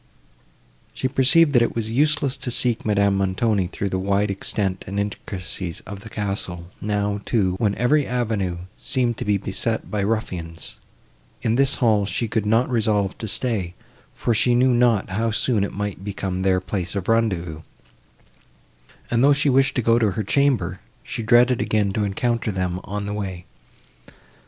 She perceived, that it was useless to seek Madame Montoni, through the wide extent and intricacies of the castle, now, too, when every avenue seemed to be beset by ruffians; in this hall she could not resolve to stay, for she knew not how soon it might become their place of rendezvous; and, though she wished to go to her chamber, she dreaded again to encounter them on the way.